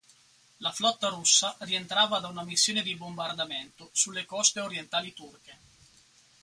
La flotta russa rientrava da una missione di bombardamento sulle coste orientali turche.